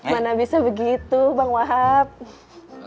mana bisa begitu bang wahab